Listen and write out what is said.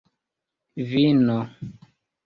vino